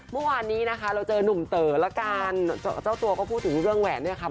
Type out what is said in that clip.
เมื่อวานนี้นะคะเราเจอนุ่มเต๋อละกันเจ้าตัวก็พูดถึงเรื่องแหวนเนี่ยค่ะ